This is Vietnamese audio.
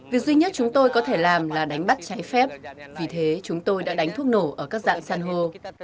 việc duy nhất chúng tôi có thể làm là đánh bắt trái phép vì thế chúng tôi đã đánh thuốc nổ ở các dạng san hô